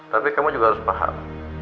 tapi kamu juga harus paham